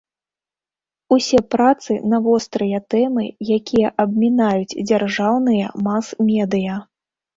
Усе працы на вострыя тэмы, якія абмінаюць дзяржаўныя мас-медыя.